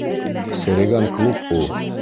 Серегән клуб ул!